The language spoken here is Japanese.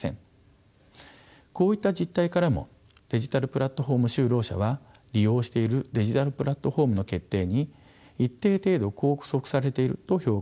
こういった実態からもデジタルプラットフォーム就労者は利用しているデジタルプラットフォームの決定に一定程度拘束されていると評価するべきでしょう。